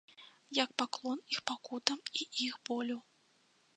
Як паклон іх пакутам і іх болю.